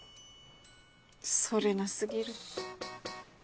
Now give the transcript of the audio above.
それな過ぎる。